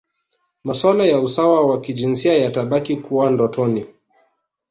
Masuala ya usawa wa kijinsia yatabaki kuwa ndotoni